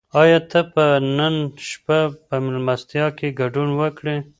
آیا ته به نن شپه په مېلمستیا کې ګډون وکړې؟